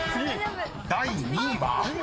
［第２位は？］